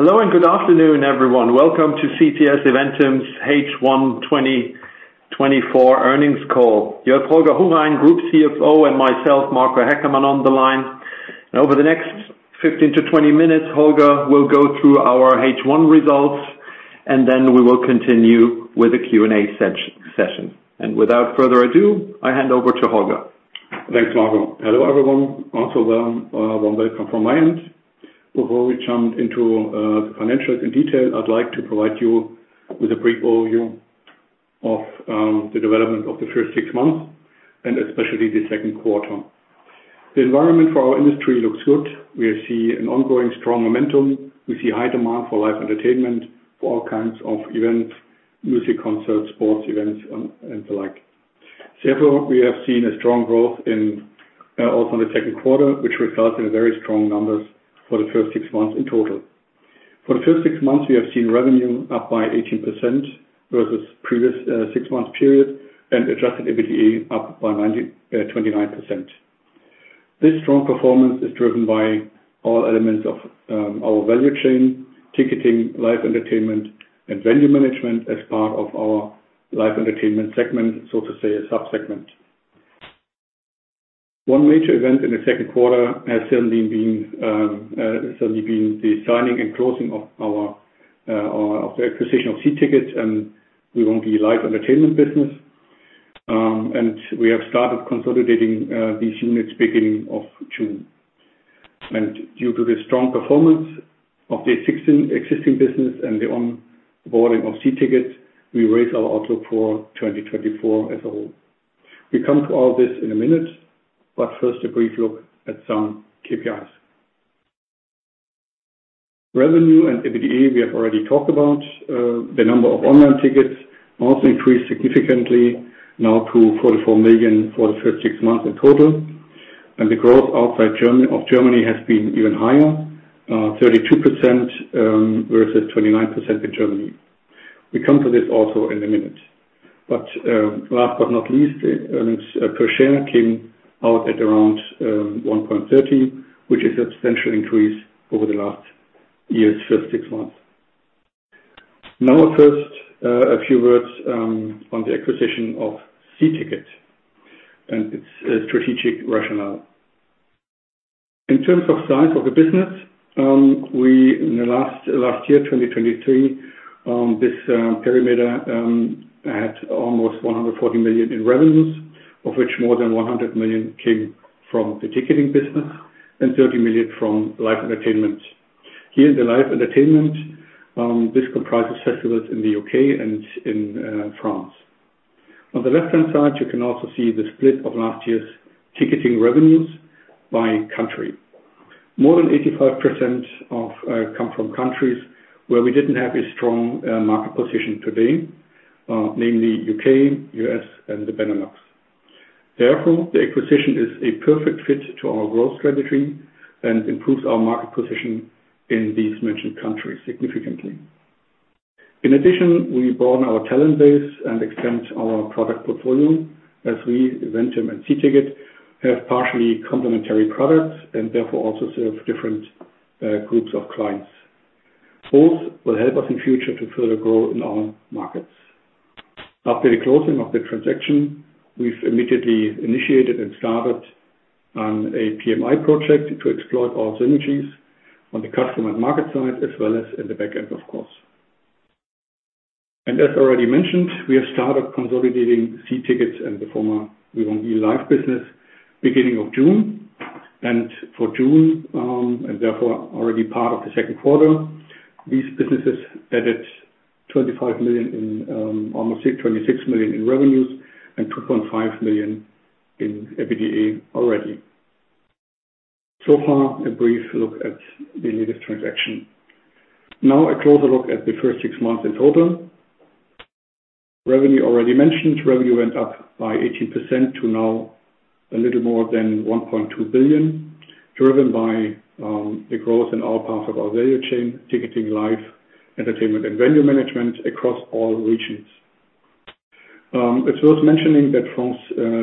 Hello, and good afternoon, everyone. Welcome to CTS Eventim's H1 2024 Earnings Call. You have Holger Hohrein, Group CFO, and myself, Marco Haeckermann, on the line. And over the next 15-20 minutes, Holger will go through our H1 results, and then we will continue with a Q&A session, and without further ado, I hand over to Holger. Thanks, Marco. Hello, everyone. Also, warm welcome from my end. Before we jump into the financials in detail, I'd like to provide you with a brief overview of the development of the first six months, and especially the second quarter. The environment for our industry looks good. We are seeing an ongoing strong momentum. We see high demand for live entertainment, for all kinds of events, music concerts, sports events, and the like. Therefore, we have seen a strong growth in also in the second quarter, which resulted in very strong numbers for the first six months in total. For the first six months, we have seen revenue up by 18% versus previous six months period, and Adjusted EBITDA up by 29%. This strong performance is driven by all elements of our value chain, ticketing, live entertainment, and venue management as part of our live entertainment segment, so to say, a sub-segment. One major event in the second quarter has certainly been the signing and closing of our acquisition of See Tickets in our live entertainment business. And we have started consolidating these units beginning of June. And due to the strong performance of the existing business and the on-boarding of See Tickets, we raise our outlook for 2024 as a whole. We come to all this in a minute, but first, a brief look at some KPIs. Revenue and EBITDA, we have already talked about. The number of online tickets also increased significantly, now to 44 million for the first six months in total. The growth outside of Germany has been even higher, 32% versus 29% in Germany. We come to this also in a minute. But last but not least, earnings per share came out at around 1.30, which is a substantial increase over the last year's first six months. Now first, a few words on the acquisition of See Tickets and its strategic rationale. In terms of size of the business, we in the last year, 2023, this perimeter had almost 140 million in revenues, of which more than 100 million came from the ticketing business and 30 million from live entertainment. Here, the live entertainment this comprises festivals in the U.K. and in France. On the left-hand side, you can also see the split of last year's ticketing revenues by country. More than 85% of come from countries where we didn't have a strong market position today, namely U.K., U.S., and the Benelux. Therefore, the acquisition is a perfect fit to our growth strategy and improves our market position in these mentioned countries significantly. In addition, we broaden our talent base and extend our product portfolio as we, Eventim and See Tickets, have partially complementary products and therefore also serve different groups of clients. Both will help us in future to further grow in our markets. After the closing of the transaction, we've immediately initiated and started a PMI project to explore our synergies on the customer and market side, as well as in the back end, of course. As already mentioned, we have started consolidating See Tickets and the former Vivendi Live business, beginning of June. And for June, and therefore, already part of the second quarter, these businesses added 25 million in, almost 26 million in revenues and 2.5 million in EBITDA already. So far, a brief look at the latest transaction. Now, a closer look at the first six months in total. Revenue already mentioned, revenue went up by 18% to now a little more than 1.2 billion, driven by the growth in all parts of our value chain, ticketing, live entertainment, and venue management across all regions. It's worth mentioning that France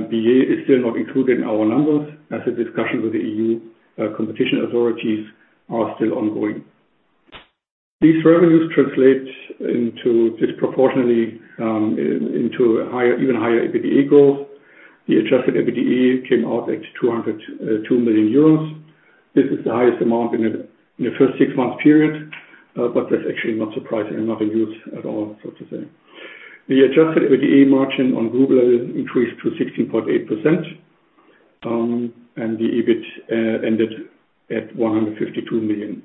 Billet is still not included in our numbers, as the discussions with the EU competition authorities are still ongoing. These revenues translate into disproportionately into higher, even higher EBITDA growth. The adjusted EBITDA came out at 202 million euros. This is the highest amount in the first six-month period, but that's actually not surprising and not a news at all, so to say. The adjusted EBITDA margin on group level increased to 16.8%, and the EBIT ended at 152 million.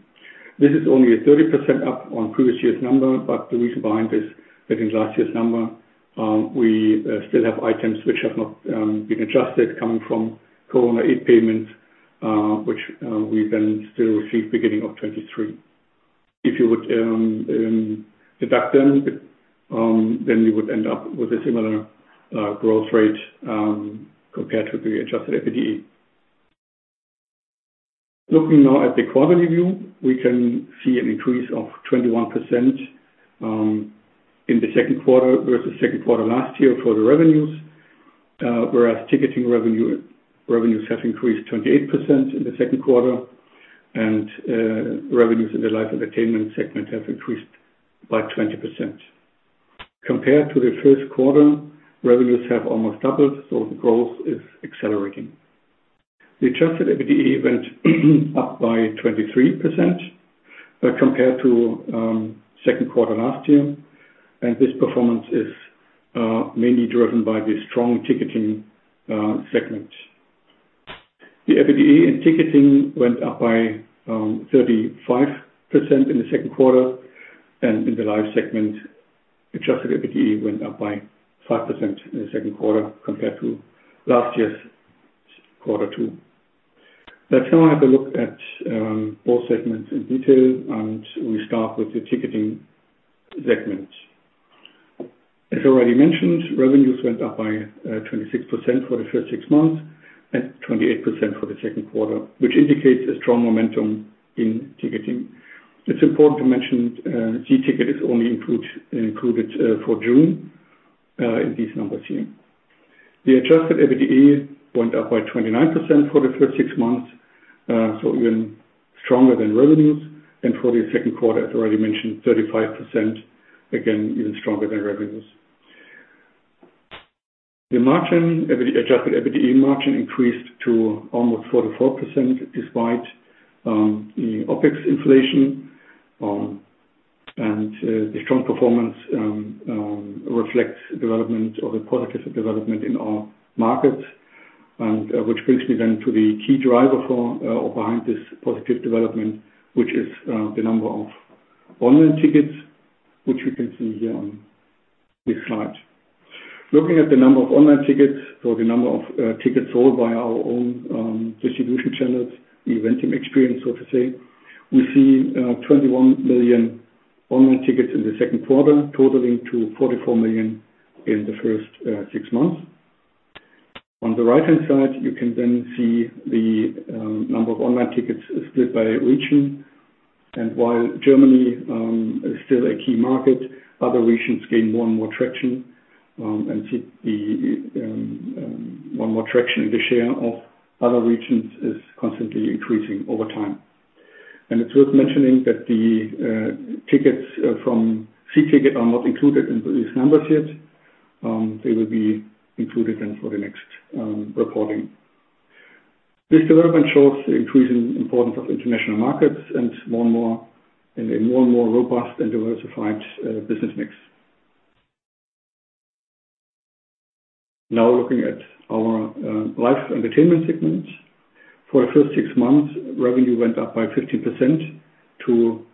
This is only a 30% up on previous year's number, but the reason behind this, that in last year's number, we still have items which have not been adjusted coming from Corona aid payments, which we then still received beginning of 2023. If you would deduct them, then we would end up with a similar growth rate compared to the adjusted EBITDA. Looking now at the quarterly view, we can see an increase of 21% in the second quarter versus second quarter last year for the revenues, whereas ticketing revenues have increased 28% in the second quarter, and revenues in the live entertainment segment have increased by 20%. Compared to the first quarter, revenues have almost doubled, so the growth is accelerating. The adjusted EBITDA went up by 23% compared to second quarter last year, and this performance is mainly driven by the strong ticketing segment. The EBITDA in ticketing went up by 35% in the second quarter, and in the live segment, adjusted EBITDA went up by 5% in the second quarter compared to last year's quarter two. Let's now have a look at both segments in detail, and we start with the ticketing segment. As already mentioned, revenues went up by 26% for the first six months and 28% for the second quarter, which indicates a strong momentum in ticketing. It's important to mention, See Tickets is only included for June in these numbers here. The Adjusted EBITDA went up by 29% for the first six months, so even stronger than revenues, and for the second quarter, as already mentioned, 35%, again, even stronger than revenues. The margin, EBITDA, Adjusted EBITDA margin increased to almost 44%, despite the OpEx inflation, and the strong performance reflects development or the positive development in our markets. Which brings me then to the key driver for or behind this positive development, which is the number of online tickets, which you can see here on this slide. Looking at the number of online tickets, so the number of tickets sold by our own distribution channels, Eventim experience, so to say, we see 21 million online tickets in the second quarter, totaling to 44 million in the first six months. On the right-hand side, you can then see the number of online tickets split by region. While Germany is still a key market, other regions gain more and more traction, and the share of other regions is constantly increasing over time. It's worth mentioning that the tickets from See Tickets are not included in these numbers yet. They will be included then for the next reporting. This development shows the increasing importance of international markets and more and more, and a more and more robust and diversified business mix. Now, looking at our live entertainment segment. For the first six months, revenue went up by 15% to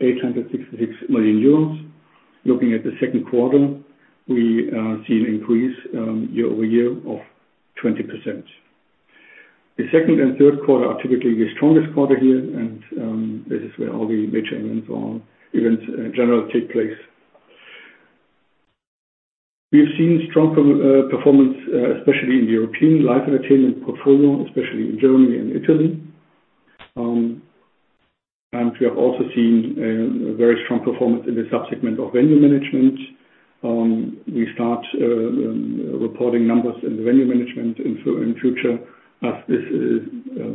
866 million euros. Looking at the second quarter, we see an increase year-over-year of 20%. The second and third quarter are typically the strongest quarter here, and this is where all the major events or events in general take place. We've seen strong performance, especially in the European live entertainment portfolio, especially in Germany and Italy, and we have also seen a very strong performance in the sub-segment of venue management. We start reporting numbers in the venue management in future, as this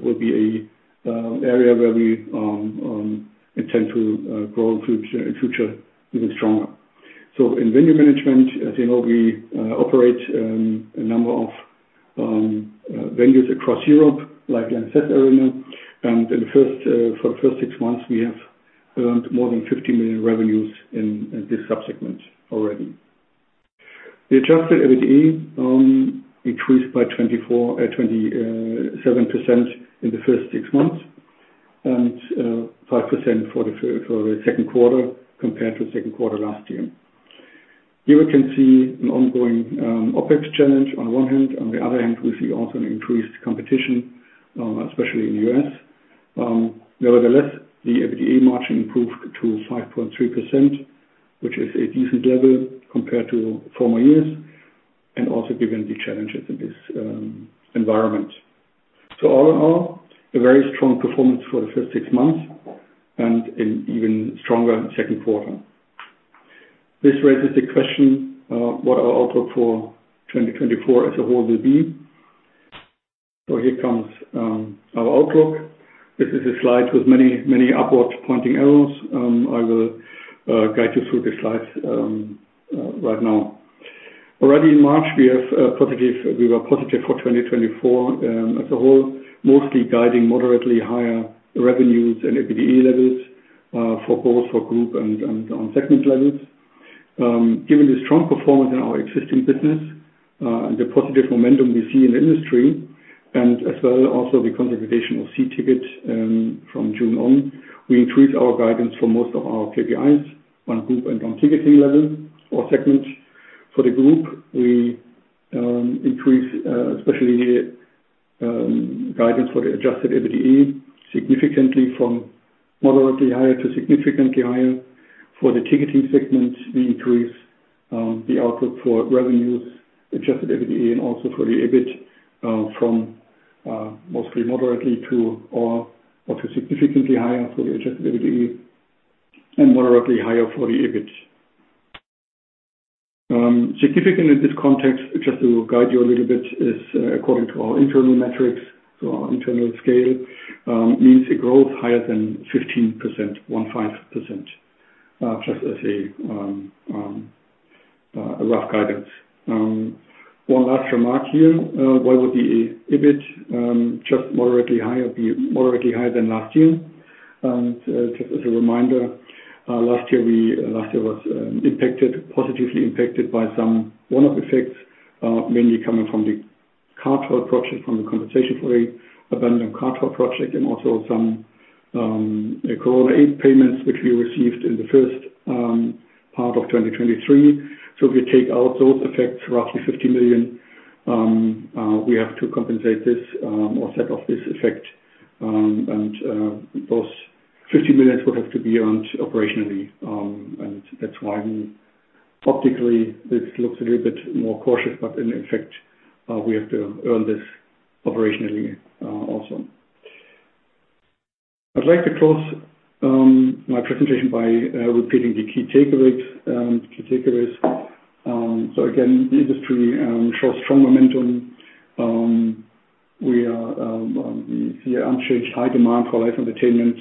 will be a area where we intend to grow in future even stronger. So in venue management, as you know, we operate a number of venues across Europe, like Lanxess Arena, and for the first six months, we have earned more than 50 million revenues in this sub-segment already. The adjusted EBITDA increased by 27% in the first six months, and 5% for the second quarter compared to the second quarter last year. Here we can see an ongoing OpEx challenge on one hand. On the other hand, we see also an increased competition, especially in the U.S. Nevertheless, the EBITDA margin improved to 5.3%, which is a decent level compared to former years, and also given the challenges in this environment. So all in all, a very strong performance for the first six months, and an even stronger second quarter. This raises the question, what our outlook for 2024 as a whole will be? Here comes our outlook. This is a slide with many, many upward-pointing arrows. I will guide you through the slides right now. Already in March, we were positive for 2024 as a whole, mostly guiding moderately higher revenues and EBITDA levels for both group and on segment levels. Given the strong performance in our existing business, and the positive momentum we see in the industry, and as well also the consolidation of See Tickets, from June on, we increased our guidance for most of our KPIs on group and on ticketing level or segment. For the group, we increase, especially, guidance for the Adjusted EBITDA significantly from moderately higher to significantly higher. For the ticketing segment, we increase the outlook for revenues, Adjusted EBITDA, and also for the EBIT, from mostly moderately to or also significantly higher for the Adjusted EBITDA and moderately higher for the EBIT. In this context, just to guide you a little bit, is according to our internal metrics, so our internal scale means a growth higher than 15%, 15%, just as a rough guidance. One last remark here. Why would the EBIT just be moderately higher than last year? Just as a reminder, last year was positively impacted by some one-off effects, mainly coming from the compensation for an abandoned car toll project, and also some COVID aid payments, which we received in the first part of 2023. So if we take out those effects, roughly 50 million, we have to compensate this or set off this effect. Those 50 million would have to be earned operationally. That's why optically this looks a little bit more cautious, but in effect we have to earn this operationally also. I'd like to close my presentation by repeating the key takeaways. So again, the industry shows strong momentum. We see unchanged high demand for live entertainment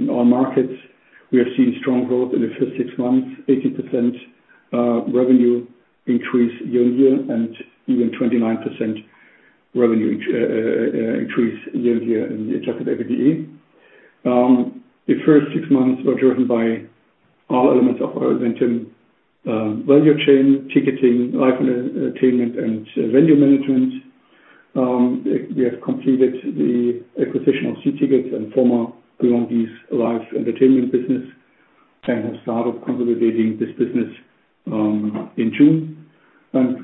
in our markets. We have seen strong growth in the first six months, 80% revenue increase year-on-year, and even 29% revenue increase year-on-year in the adjusted EBITDA. The first six months were driven by all elements of our event value chain, ticketing, live entertainment, and venue management. We have completed the acquisition of See Tickets and former Vivendi's Live Entertainment Business, and have started consolidating this business in June.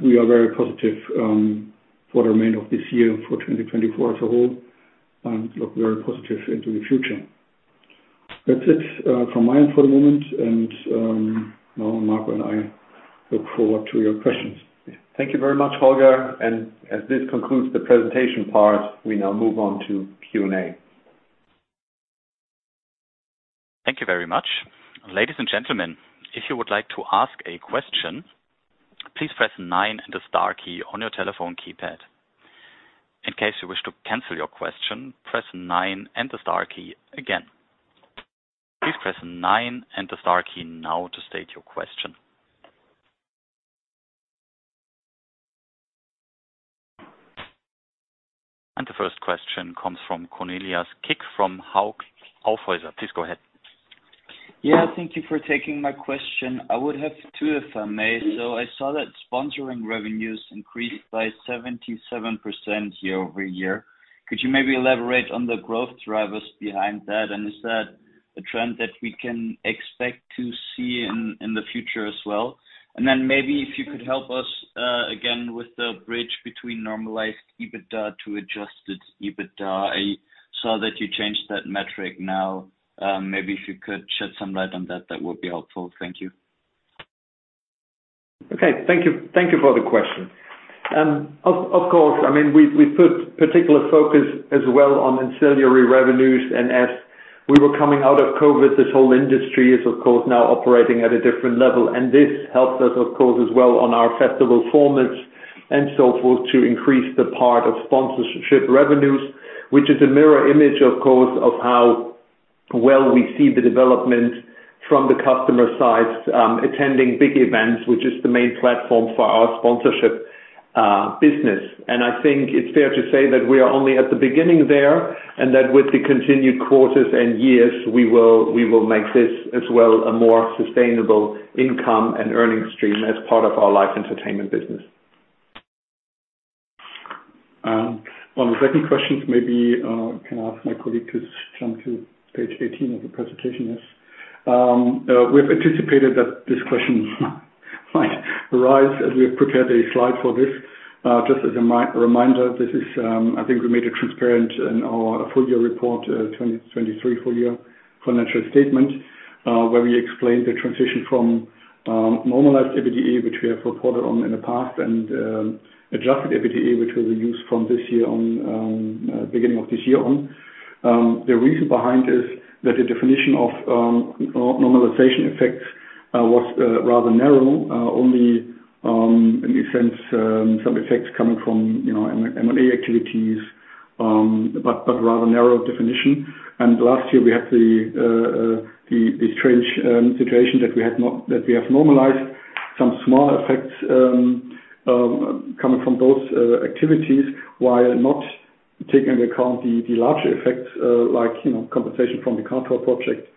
We are very positive for the remainder of this year, for 2024 as a whole, and look very positive into the future. That's it, from my end for the moment, and now Marco and I look forward to your questions. Thank you very much, Holger, and as this concludes the presentation part, we now move on to Q&A. Thank you very much. Ladies and gentlemen, if you would like to ask a question, please press nine and the star key on your telephone keypad. In case you wish to cancel your question, press nine and the star key again. Please press nine and the star key now to state your question. And the first question comes from Cornelis Kik, from Hauck Aufhäuser. Please go ahead. Yeah, thank you for taking my question. I would have two, if I may. So I saw that sponsoring revenues increased by 77% year-over-year. Could you maybe elaborate on the growth drivers behind that? And is that a trend that we can expect to see in the future as well? And then maybe if you could help us, again, with the bridge between normalized EBITDA to adjusted EBITDA. I saw that you changed that metric now. Maybe if you could shed some light on that, that would be helpful. Thank you. Okay. Thank you. Thank you for the question. Of course, I mean, we put particular focus as well on ancillary revenues, and as we were coming out of COVID, this whole industry is of course now operating at a different level. And this helped us, of course, as well on our festival formats, and so forth, to increase the part of sponsorship revenues, which is a mirror image, of course, of how well we see the development from the customer sides, attending big events, which is the main platform for our sponsorship business. And I think it's fair to say that we are only at the beginning there, and that with the continued quarters and years, we will make this as well, a more sustainable income and earnings stream as part of our live entertainment business. On the second question, maybe can I ask my colleague to jump to page 18 of the presentation? Yes. We've anticipated that this question might arise, as we have prepared a slide for this. Just as a reminder, this is, I think we made it transparent in our full year report, 2023 full year financial statement, where we explained the transition from normalized EBITDA, which we have reported on in the past, and adjusted EBITDA, which we use from this year on, beginning of this year on. The reason behind is that the definition of normalization effects was rather narrow. Only, in the sense, some effects coming from, you know, M&A activities, but rather narrow definition. And last year we had the strange situation that we had not- that we have normalized some small effects coming from those activities, while not taking into account the larger effects, like, you know, compensation from the car toll project,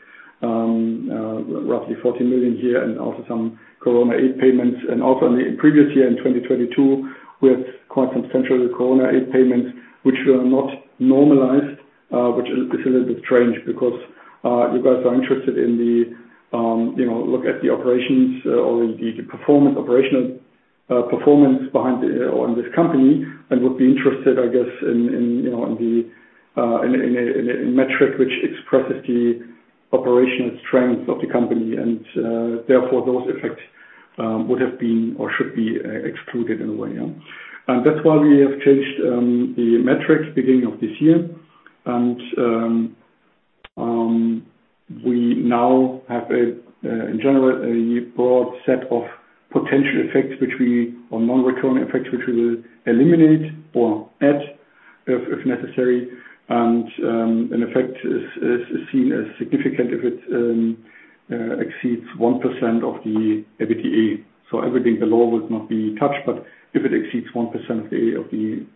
roughly 14 million a year, and also some corona aid payments. And also in the previous year, in 2022, we had quite substantial corona aid payments, which were not normalized, which is a little bit strange, because you guys are interested in the, you know, look at the operations, or the operational performance behind on this company, and would be interested, I guess, in you know, on the in a metric which expresses the operational strength of the company. And therefore, those effects-... Would have been or should be excluded in a way, yeah? And that's why we have changed the metrics beginning of this year. And we now have a, in general, a broad set of potential effects which we, or non-recurring effects, which we will eliminate or add if necessary. And an effect is seen as significant if it exceeds 1% of the EBITDA. So everything below would not be touched, but if it exceeds 1% of the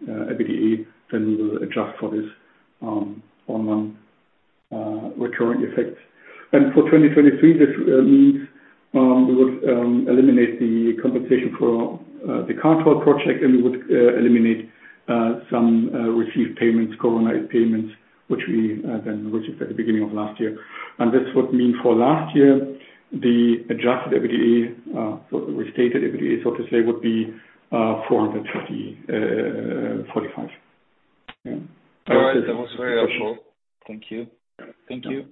EBITDA, then we will adjust for this on non-recurring effects. And for 2023, this means we would eliminate the compensation for the car toll project, and we would eliminate some received payments, COVID-19 payments, which we then received at the beginning of last year. This would mean for last year, the Adjusted EBITDA, so the restated EBITDA, so to say, would be 450.45. Yeah. All right. That was very helpful. Thank you. Thank you.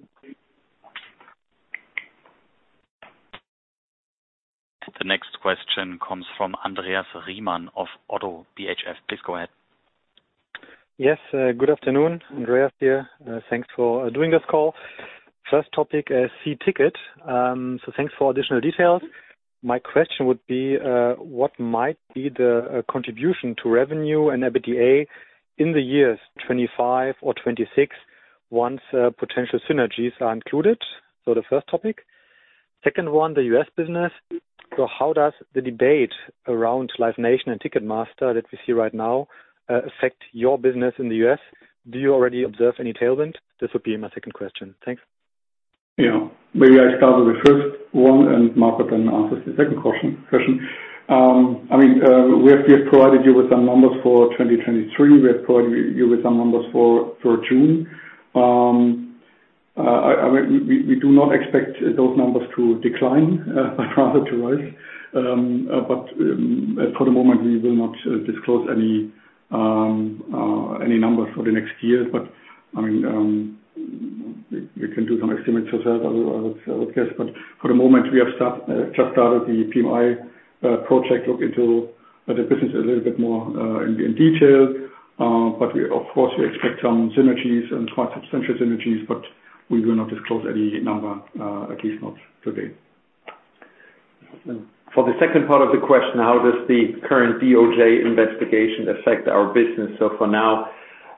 The next question comes from Andreas Riemann of Oddo BHF. Please go ahead. Yes, good afternoon, Andreas here. Thanks for doing this call. First topic, See Tickets. So thanks for additional details. My question would be, what might be the contribution to revenue and EBITDA in the years 2025 or 2026, once potential synergies are included? So the first topic. Second one, the U.S. business. So how does the debate around Live Nation and Ticketmaster that we see right now affect your business in the U.S.? Do you already observe any tailwind? This would be my second question. Thanks. Yeah. Maybe I start with the first one, and Marco then answers the second question. I mean, we have provided you with some numbers for 2023. We have provided you with some numbers for June. We do not expect those numbers to decline, but rather to rise. But for the moment, we will not disclose any numbers for the next year. But, I mean, you can do some estimates yourself, I would guess. But for the moment, we have just started the PMI project, look into the business a little bit more, in detail. But we of course expect some synergies and quite substantial synergies, but we will not disclose any number, at least not today. For the second part of the question, how does the current DOJ investigation affect our business? So for now,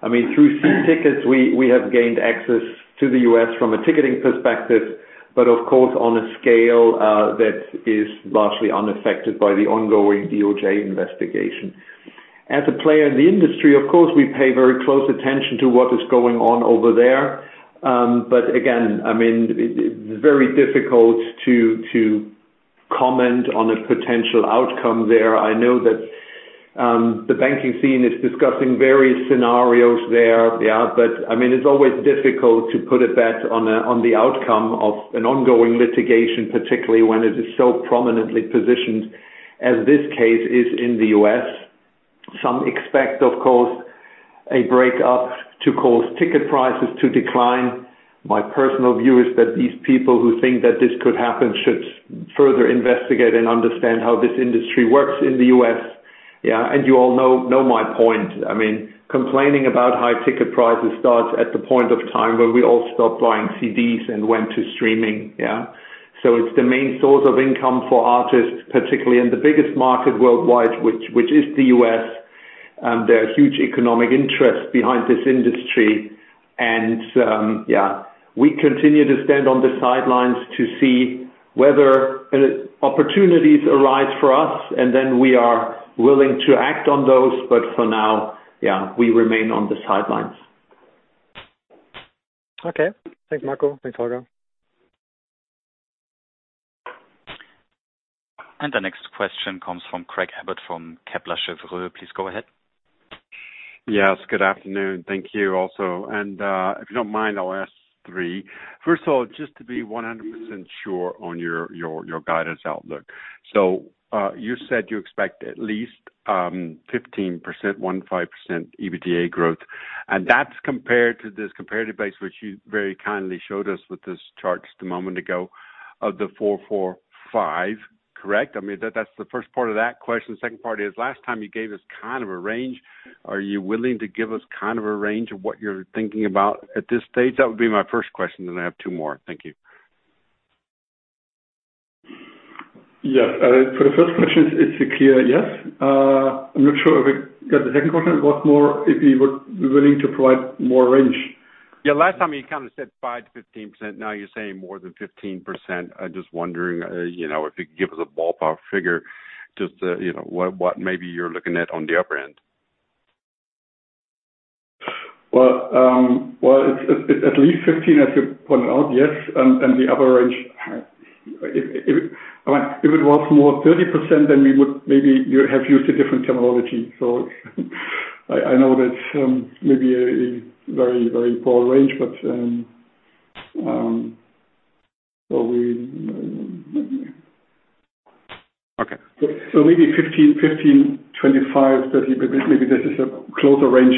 I mean, through See Tickets, we have gained access to the U.S. from a ticketing perspective, but of course, on a scale that is largely unaffected by the ongoing DOJ investigation. As a player in the industry, of course, we pay very close attention to what is going on over there. But again, I mean, it's very difficult to comment on a potential outcome there. I know that the banking scene is discussing various scenarios there. But, I mean, it's always difficult to put a bet on the outcome of an ongoing litigation, particularly when it is so prominently positioned, as this case is in the U.S. Some expect, of course, a breakup to cause ticket prices to decline. My personal view is that these people who think that this could happen should further investigate and understand how this industry works in the U.S., yeah. And you all know my point. I mean, complaining about high ticket prices starts at the point of time when we all stopped buying CDs and went to streaming, yeah? So it's the main source of income for artists, particularly in the biggest market worldwide, which is the U.S., and there are huge economic interests behind this industry. And, yeah, we continue to stand on the sidelines to see whether any opportunities arise for us, and then we are willing to act on those. But for now, yeah, we remain on the sidelines. Okay. Thanks, Marco. Thanks, Holger. The next question comes from Craig Abbott, from Kepler Cheuvreux. Please go ahead. Yes, good afternoon. Thank you also. And if you don't mind, I'll ask three. First of all, just to be 100% sure on your guidance outlook. So you said you expect at least 15% EBITDA growth, and that's compared to this comparative base, which you very kindly showed us with these charts a moment ago, of the 445, correct? I mean, that's the first part of that question. Second part is, last time you gave us kind of a range. Are you willing to give us kind of a range of what you're thinking about at this stage? That would be my first question, then I have two more. Thank you. Yes, for the first question, it's a clear yes. I'm not sure if we got the second question, what more, if you would be willing to provide more range? Yeah, last time you kind of said 5%-15%. Now you're saying more than 15%. I'm just wondering, you know, if you could give us a ballpark figure, just, you know, what maybe you're looking at on the upper end. It's at least 15%, as you pointed out, yes, and the upper range, if I mean, if it was more 30%, then we would maybe you have used a different terminology. So I know that's maybe a very, very poor range, but so we Okay. Maybe 15%, 25%, 30%, but maybe this is a closer range,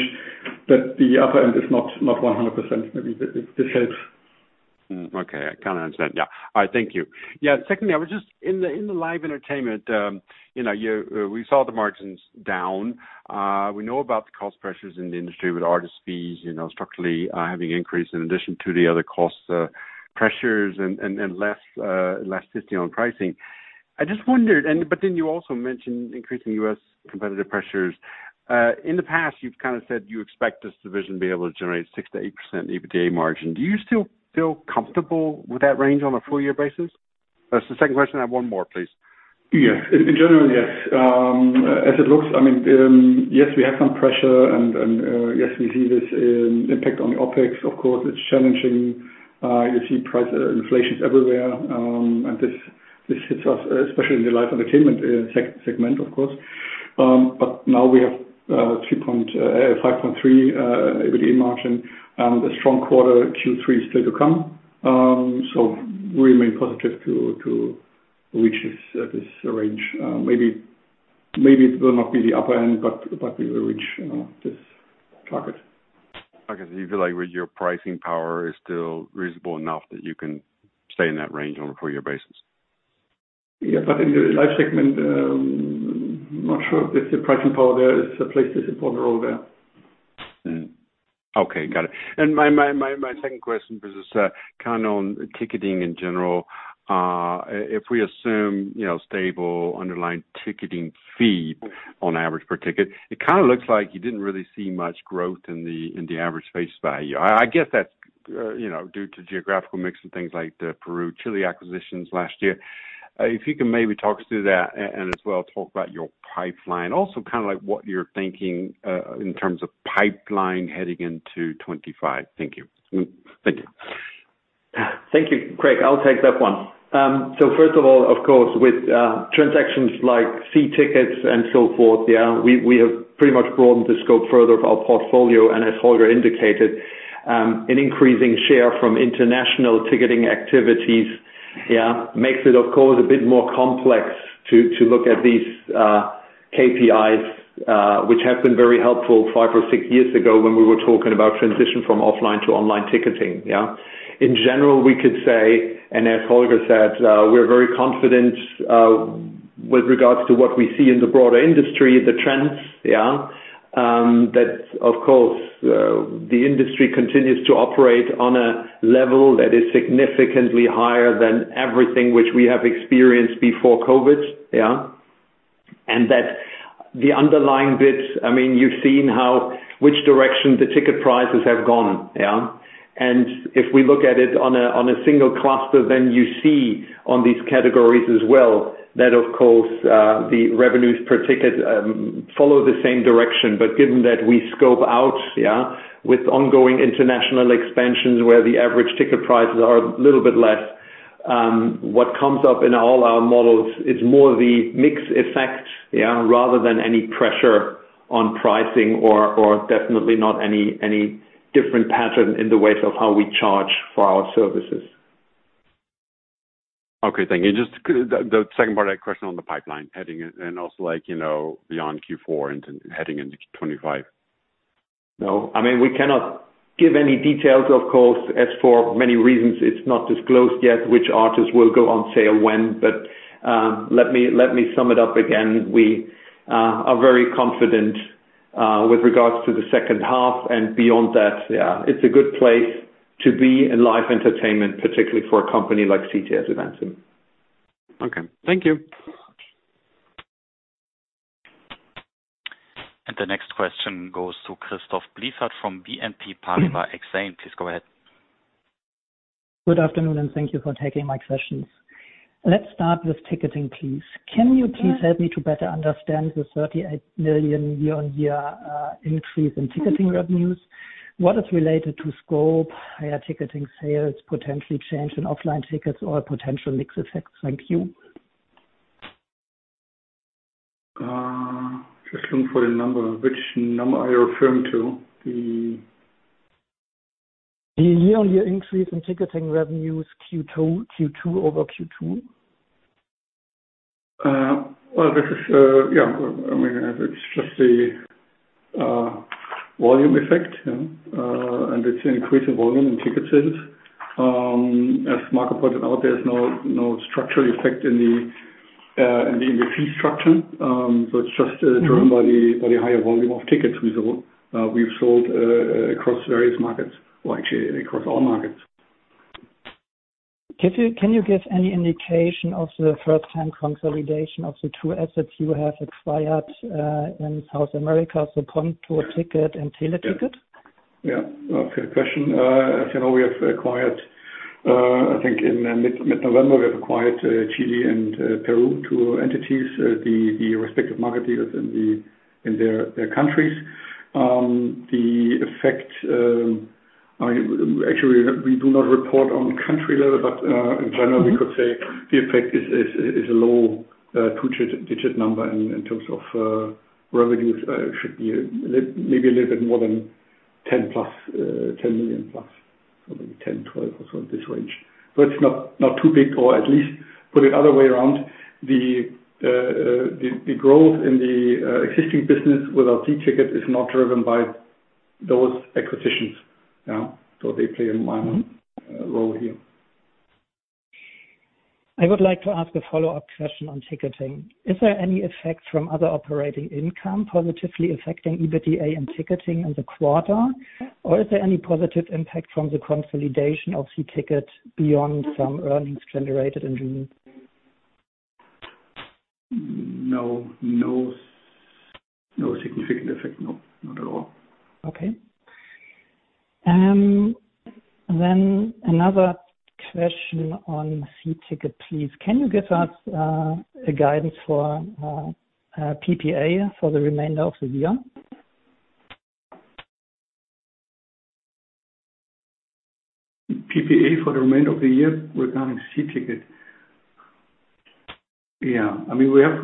but the upper end is not 100%. Maybe this helps. Mm, okay, I kind of understand. Yeah. All right, thank you. Yeah, secondly, I was just in the Live Entertainment, you know, we saw the margins down. We know about the cost pressures in the industry with artist fees, you know, structurally having increased in addition to the other cost pressures and less flexibility on pricing. I just wondered, but then you also mentioned increasing U.S. competitive pressures. In the past, you've kind of said you expect this division to be able to generate 6%-8% EBITDA margin. Do you still feel comfortable with that range on a full-year basis? That's the second question. I have one more, please. Yes. In general, yes. As it looks, I mean, yes, we have some pressure, and, yes, we see this impact on the OpEx. Of course, it's challenging. You see price inflations everywhere, and this hits us, especially in the live entertainment segment, of course. But now we have 35.3 EBITDA margin, and a strong quarter, Q3 is still to come. So we remain positive to reach this range. Maybe it will not be the upper end, but we will reach this target. Okay, so you feel like with your pricing power is still reasonable enough that you can stay in that range on a full year basis? Yeah, but in the live segment, not sure if the pricing power there is, plays this important role there. Okay, got it. And my second question was kind of on ticketing in general. If we assume, you know, stable underlying ticketing fee on average per ticket, it kind of looks like you didn't really see much growth in the average face value. I get that, you know, due to geographical mix and things like the Peru, Chile acquisitions last year. If you can maybe talk us through that and as well, talk about your pipeline. Also, kind of, like, what you're thinking in terms of pipeline heading into 2025. Thank you. Thank you. Thank you, Craig. I'll take that one. So first of all, of course, with transactions like See Tickets and so forth, yeah, we have pretty much broadened the scope further of our portfolio, and as Holger indicated, an increasing share from international ticketing activities, yeah, makes it, of course, a bit more complex to look at these KPIs, which have been very helpful five or six years ago when we were talking about transition from offline to online ticketing, yeah? In general, we could say, and as Holger said, we're very confident with regards to what we see in the broader industry, the trends, yeah, that of course the industry continues to operate on a level that is significantly higher than everything which we have experienced before COVID, yeah? That the underlying EBITs, I mean, you've seen how, which direction the ticket prices have gone, yeah? If we look at it on a single cluster, then you see on these categories as well, that, of course, the revenues per ticket follow the same direction. But given that we scope out, yeah, with ongoing international expansions, where the average ticket prices are a little bit less, what comes up in all our models is more the mix effect, yeah, rather than any pressure on pricing or definitely not any different pattern in the ways of how we charge for our services. Okay, thank you. Just the second part of that question on the pipeline heading, and also, like, you know, beyond Q4 and heading into 2025. No, I mean, we cannot give any details, of course, as for many reasons, it's not disclosed yet which artist will go on sale when. But let me sum it up again. We are very confident with regards to the second half and beyond that, yeah. It's a good place to be in live entertainment, particularly for a company like CTS Eventim. Okay. Thank you. And the next question goes to Christoph Blieffert from BNP Paribas Exane. Please go ahead. Good afternoon, and thank you for taking my questions. Let's start with ticketing, please. Can you please help me to better understand the 38 million EUR year-on-year increase in ticketing revenues? What is related to scope, higher ticketing sales, potentially change in offline tickets or potential mix effects? Thank you. Just looking for the number. Which number are you referring to? The... The year-on-year increase in ticketing revenues, Q2, Q2 over Q2. Well, this is yeah, I mean, it's just the volume effect, and it's an increase in volume in ticket sales. As Marco pointed out, there's no structural effect in the fee structure. So it's just Mm. -driven by the higher volume of tickets we sold, we've sold, across various markets, or actually across all markets. Can you, can you give any indication of the first-time consolidation of the two assets you have acquired in South America, so Punto Ticket and Teleticket? Yeah. Okay, good question. As you know, we have acquired. I think in mid-November, we have acquired Chile and Peru, two entities, the respective market leaders in their countries. The effect, actually, we do not report on country level, but in general, we could say the effect is a low two-digit number in terms of revenues. Should be maybe a little bit more than 10 million+, so maybe 10 million, 12 million, or so this way. So it's not too big, or at least, put it the other way around, the growth in the existing business with our See Tickets is not driven by those acquisitions. Yeah, so they play a minor role here. I would like to ask a follow-up question on ticketing. Is there any effect from other operating income positively affecting EBITDA and ticketing in the quarter? Or is there any positive impact from the consolidation of See Tickets beyond some earnings generated in June? No, no, no significant effect. No, not at all. Okay. Then another question on See Tickets, please. Can you give us a guidance for PPA for the remainder of the year? PPA for the remainder of the year regarding See Tickets? Yeah. I mean, we have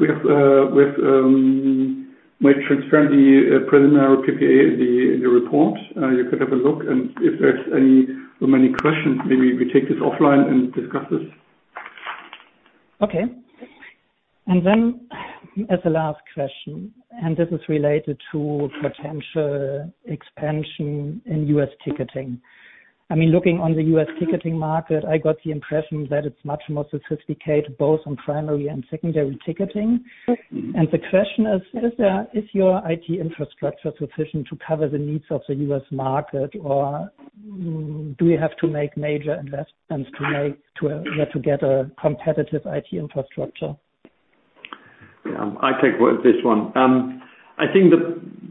made transparent the preliminary PPA in the report. You could have a look, and if there's any remaining questions, maybe we take this offline and discuss this. Okay. And then, as the last question, and this is related to potential expansion in U.S. ticketing. I mean, looking on the U.S. ticketing market, I got the impression that it's much more sophisticated, both on primary and secondary ticketing. And the question is: Is your IT infrastructure sufficient to cover the needs of the U.S. market, or do you have to make major investments to get a competitive IT infrastructure? Yeah, I'll take this one. I think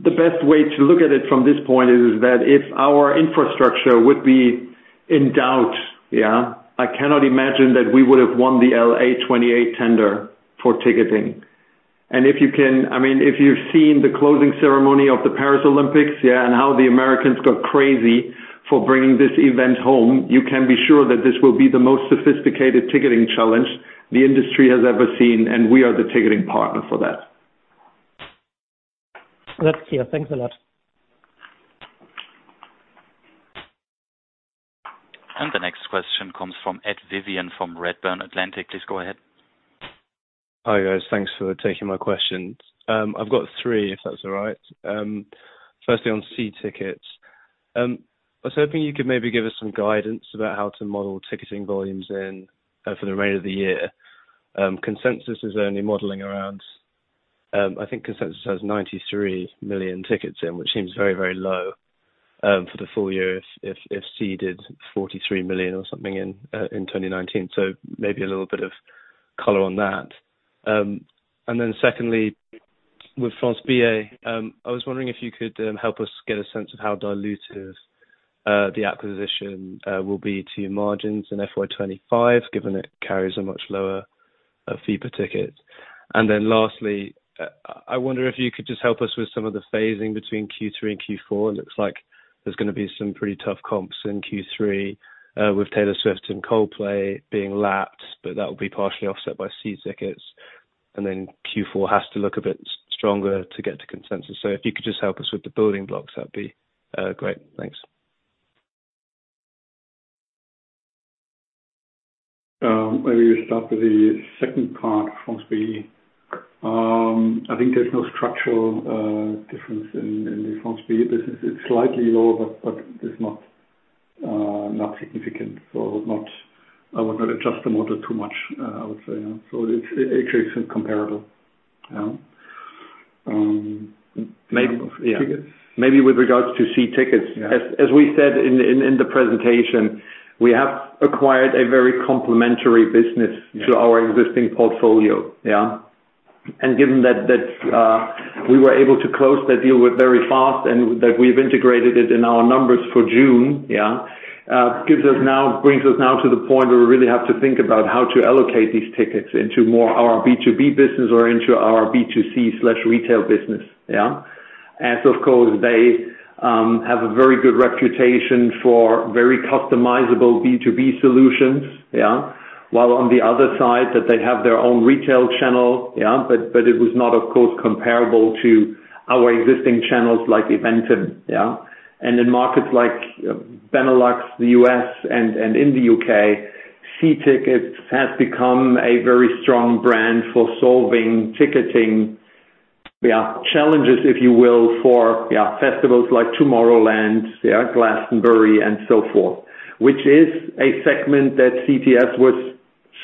the best way to look at it from this point is that if our infrastructure would be in doubt, yeah, I cannot imagine that we would have won the LA28 tender for ticketing, and I mean, if you've seen the closing ceremony of the Paris Olympics, yeah, and how the Americans got crazy for bringing this event home, you can be sure that this will be the most sophisticated ticketing challenge the industry has ever seen, and we are the ticketing partner for that. That's clear. Thanks a lot. The next question comes from Ed Vyvyan, from Redburn Atlantic. Please go ahead. Hi, guys. Thanks for taking my questions. I've got three, if that's all right. Firstly, on See Tickets, I was hoping you could maybe give us some guidance about how to model ticketing volumes in for the remainder of the year. Consensus is only modeling around, I think consensus has 93 million tickets in, which seems very, very low for the full year, if See did 43 million or something in 2019. So maybe a little bit of color on that. And then secondly, with France Billet, I was wondering if you could help us get a sense of how dilutive the acquisition will be to your margins in FY 2025, given it carries a much lower fee per ticket. And then lastly, I wonder if you could just help us with some of the phasing between Q3 and Q4. It looks like there's gonna be some pretty tough comps in Q3, with Taylor Swift and Coldplay being lapped, but that will be partially offset by See Tickets. And then Q4 has to look a bit stronger to get to consensus. So if you could just help us with the building blocks, that'd be great. Thanks. Maybe we start with the second part, France Billet. I think there's no structural difference in the France Billet business. It's slightly lower, but it's not significant. So I would not adjust the model too much, I would say. So it's actually comparable. Maybe, yeah. Maybe with regards to See Tickets- Yeah. as we said in the presentation, we have acquired a very complementary business- Yeah... to our existing portfolio, yeah? And given that we were able to close the deal very fast and that we've integrated it in our numbers for June, yeah, brings us now to the point where we really have to think about how to allocate these tickets more into our B2B business or into our B2C/retail business, yeah? As of course, they have a very good reputation for very customizable B2B solutions, yeah. While on the other side, they have their own retail channel, yeah, but it was not, of course, comparable to our existing channels like Eventim, yeah. In markets like Benelux, the U.S., and the U.K., See Tickets has become a very strong brand for solving ticketing challenges, if you will, for festivals like Tomorrowland, Glastonbury, and so forth, which is a segment that CTS was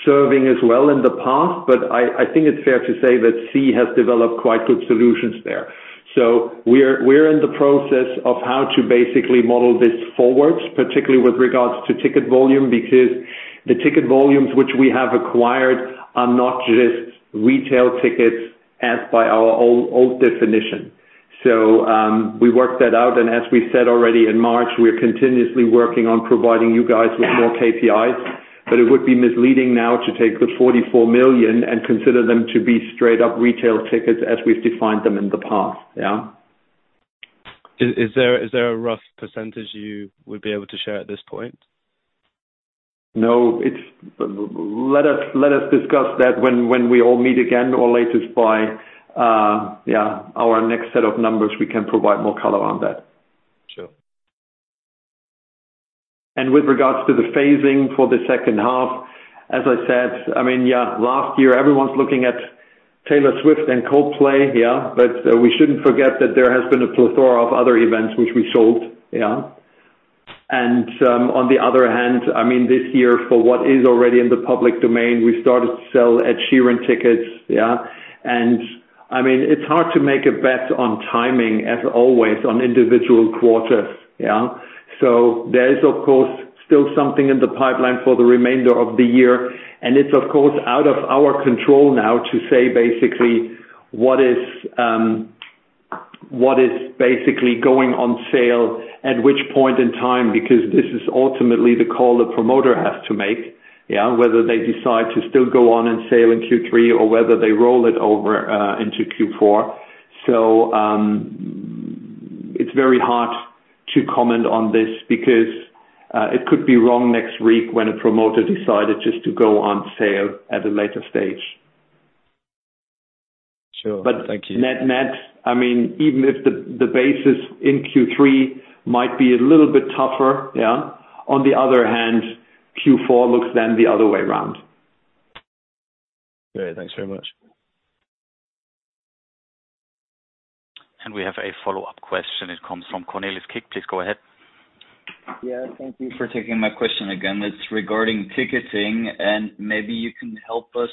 serving as well in the past, but I think it's fair to say that See has developed quite good solutions there. We're in the process of how to basically model this forward, particularly with regards to ticket volume, because the ticket volumes which we have acquired are not just retail tickets as by our old definition. We worked that out, and as we said already in March, we're continuously working on providing you guys with more KPIs. But it would be misleading now to take the forty-four million and consider them to be straight-up retail tickets as we've defined them in the past, yeah? Is there a rough percentage you would be able to share at this point? No, it's, let us discuss that when we all meet again, or latest by our next set of numbers, we can provide more color on that. Sure. And with regards to the phasing for the second half, as I said, I mean, last year everyone's looking at Taylor Swift and Coldplay, but we shouldn't forget that there has been a plethora of other events which we sold? And, on the other hand, I mean, this year, for what is already in the public domain, we started to sell Ed Sheeran tickets. And, I mean, it's hard to make a bet on timing, as always, on individual quarters? So there is, of course, still something in the pipeline for the remainder of the year, and it's of course, out of our control now to say basically, what is, what is basically going on sale at which point in time, because this is ultimately the call the promoter has to make, yeah? Whether they decide to still go on sale in Q3 or whether they roll it over into Q4. So, it's very hard to comment on this because, it could be wrong next week when a promoter decided just to go on sale at a later stage. Sure. Thank you. But net, net, I mean, even if the basis in Q3 might be a little bit tougher, yeah, on the other hand, Q4 looks then the other way around. Great. Thanks very much. And we have a follow-up question. It comes from Cornelis Kik. Please go ahead. Yeah, thank you for taking my question again. It's regarding ticketing, and maybe you can help us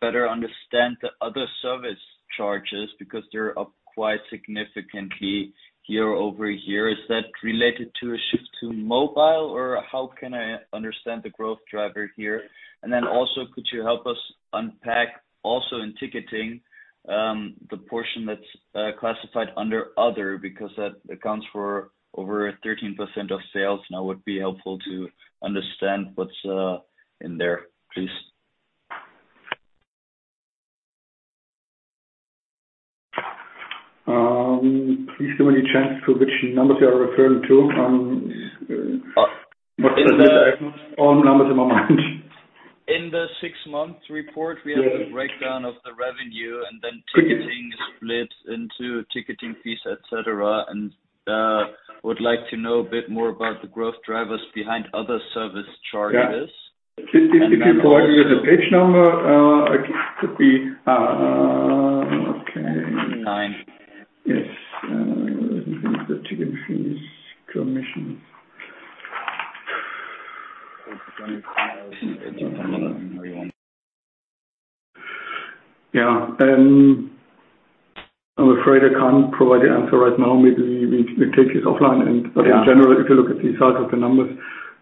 better understand the other service charges, because they're up quite significantly year over year. Is that related to a shift to mobile, or how can I understand the growth driver here? And then also, could you help us unpack, also in ticketing, the portion that's classified under other, because that accounts for over 13% of sales, and that would be helpful to understand what's in there, please. Please give me a chance to which numbers you are referring to on, Uh- What numbers in my mind? In the six-month report- Yes... we have a breakdown of the revenue, and then ticketing is split into ticketing fees, et cetera, and would like to know a bit more about the growth drivers behind other service charges? Yeah. 50/50, providing you the page number, it could be... Okay. Nine. Yes. The ticket fees, commission. Yeah, I'm afraid I can't provide the answer right now. Maybe we take this offline and- Yeah but in general, if you look at the size of the numbers,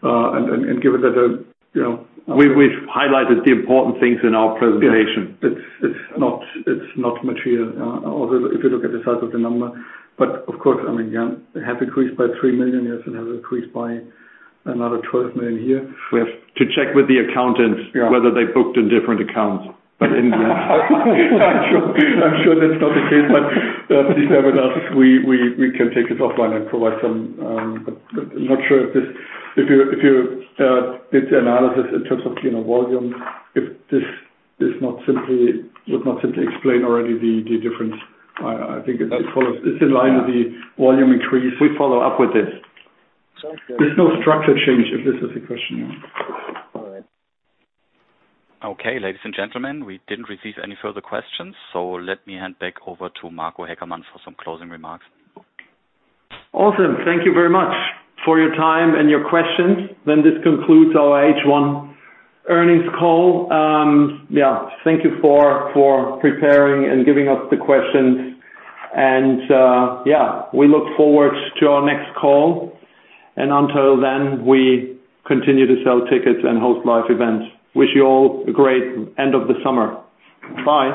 and give it as a, you know- We've highlighted the important things in our presentation. It's not material, although if you look at the size of the number, but of course, I mean, yeah, it has increased by 3 million and has increased by another 12 million a year. We have to check with the accountants- Yeah whether they're booked in different accounts. But in the end, I'm sure that's not the case, but please bear with us. We can take this offline and provide some. I'm not sure if this, if you did the analysis in terms of, you know, volume, if this is not simply would not simply explain already the difference. I think it's in line with the volume increase. We follow up with this. Thank you. There's no structure change, if this is the question, yeah. All right. Okay, ladies and gentlemen, we didn't receive any further questions, so let me hand back over to Marco Haeckermann for some closing remarks. Awesome. Thank you very much for your time and your questions. Then this concludes our H1 Earnings Call. Yeah, thank you for preparing and giving us the questions, and yeah, we look forward to our next call, and until then, we continue to sell tickets and host live events. Wish you all a great end of the summer. Bye.